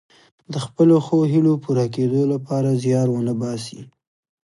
د خپلو ښو هیلو پوره کیدو لپاره زیار ونه باسي.